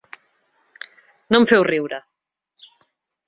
No em feu riure.